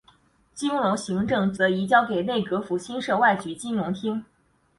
金融行政则移交给内阁府新设外局金融厅。